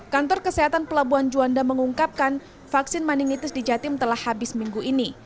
kantor kesehatan pelabuhan juanda mengungkapkan vaksin meningitis di jatim telah habis minggu ini